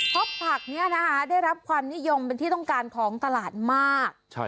เพราะผักนี้นะคะได้รับความนิยมเป็นที่ต้องการของตลาดมาก